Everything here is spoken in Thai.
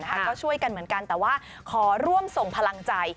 ก็ช่วยกันเหมือนกันแต่ว่าขอร่วมส่งพลังใจ